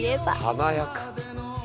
「華やか！」